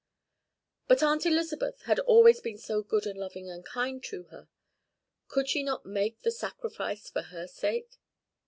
But Aunt Elizabeth had always been so good and loving and kind to her. Could she not make the sacrifice for her sake?